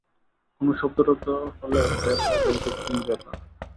কোনো শব্দটব্দ হলে বের হয়ে দেখবে কী ব্যাপার।